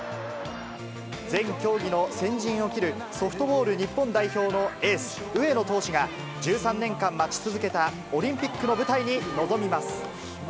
全競技の先陣を切るソフトボール日本代表のエース、上野投手が、１３年間待ち続けたオリンピックの舞台に臨みます。